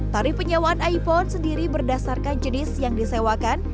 tarif penyewaan iphone sendiri berdasarkan jenis yang disewakan